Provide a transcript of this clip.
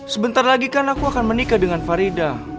sebentar lagi kan aku akan menikah dengan farida